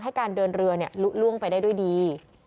ให้การเดินเรือเนี่ยลุกล่วงไปได้ด้วยดี